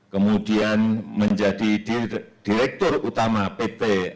kemudian menjadi direktur utama pt